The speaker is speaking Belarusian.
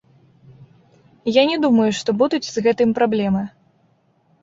Я не думаю, што будуць з гэтым праблемы.